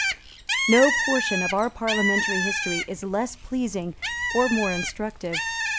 No portion of our parliamentary history is less pleasing or more instructive.